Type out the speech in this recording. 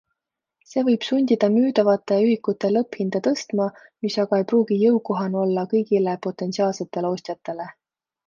See võib sundida müüdavate ühikute lõpphinda tõstma, mis aga ei pruugi jõukohane olla kõigile potentsiaalsetele ostjatele.